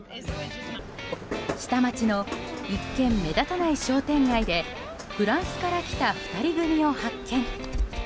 下町の、一見目立たない商店街でフランスから来た２人組を発見。